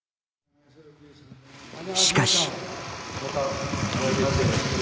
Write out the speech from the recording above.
しかし。